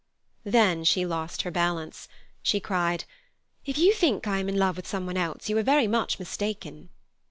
Then she lost her balance. She cried: "If you think I am in love with some one else, you are very much mistaken."